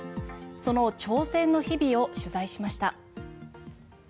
その挑戦の日々を取材しました。